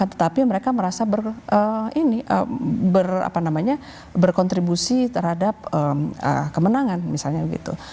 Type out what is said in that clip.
tetapi mereka merasa berkontribusi terhadap kemenangan misalnya begitu